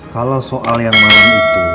kalau soal yang malam itu